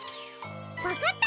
わかった！